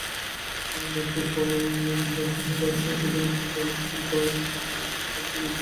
নতুন পশ্চিম হইতে আসিয়া সেদিন সে গ্রামের সকলের পরামর্শে শ্বশুরবাড়ী স্ত্রীকে আনিতে গিয়াছিল।